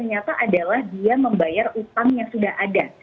yang pertama itu ternyata adalah dia membayar utang yang sudah ada